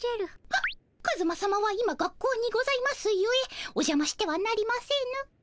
はっカズマさまは今学校にございますゆえおじゃましてはなりませぬ。